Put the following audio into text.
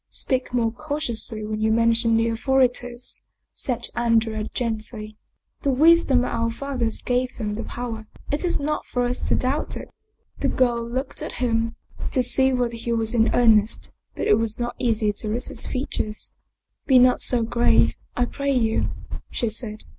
" Speak more cautiously when you mention the authori ties," said Andrea gently. " The wisdom of our fathers gave them the power, it is not for us to doubt it." The girl looked at him to see whether he was in earnest, but it was not easy to read his features. " Be not so grave, I pray you," she said.